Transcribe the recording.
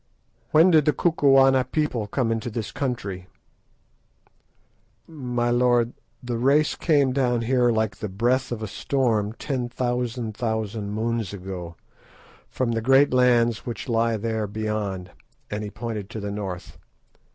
"When did the Kukuana people come into this country?" "My lord, the race came down here like the breath of a storm ten thousand thousand moons ago, from the great lands which lie there beyond," and he pointed to the north.